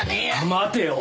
待てよ！